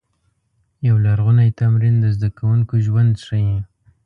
یو لرغونی تمرین د زده کوونکو ژوند ښيي.